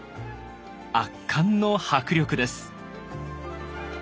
圧巻の迫力です。